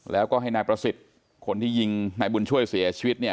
แล้วก็ให้นายประสิทธิ์คนที่ยิงนายบุญช่วยเสียชีวิตเนี่ย